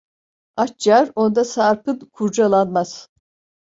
Aç yar onda sarpın kurcalanmaz.